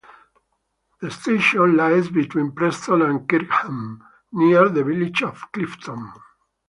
The station lies between Preston and Kirkham, near the village of Clifton.